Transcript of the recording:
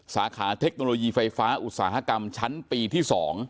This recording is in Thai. สาขาเทคโนโลยีไฟฟ้าอุตสาหกรรมชั้นปีที่๒